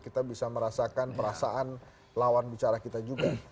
kita bisa merasakan perasaan lawan bicara kita juga